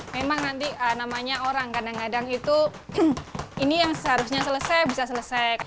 memang nanti namanya orang kadang kadang itu ini yang seharusnya selesai bisa selesai